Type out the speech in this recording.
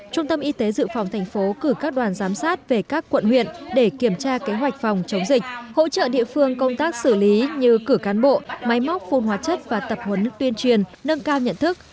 trung tâm y tế dự phòng thành phố cử các đoàn giám sát về các quận huyện để kiểm tra kế hoạch phòng chống dịch hỗ trợ địa phương công tác xử lý như cử cán bộ máy móc phun hóa chất và tập huấn tuyên truyền nâng cao nhận thức